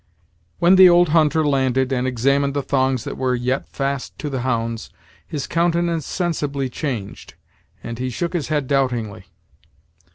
When the old hunter landed and examined the thongs that were yet fast to the hounds, his countenance sensibly changed, and he shook his head doubtingly.